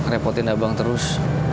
repotin abang terus